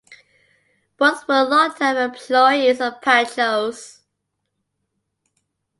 Both were long time employees of Pancho's.